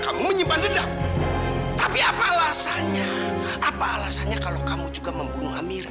hanya kalau kamu juga membunuh amira